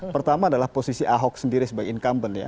pertama adalah posisi ahok sendiri sebagai incumbent ya